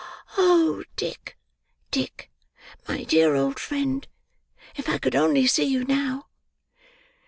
Oh Dick, Dick, my dear old friend, if I could only see you now!"